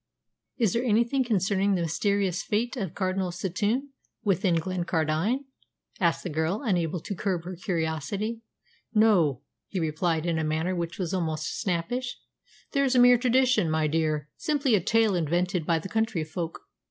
"Is there anything concerning the mysterious fate of Cardinal Setoun within Glencardine?" asked the girl, unable to curb her curiosity. "No," he replied in a manner which was almost snappish. "That's a mere tradition, my dear simply a tale invented by the country folk.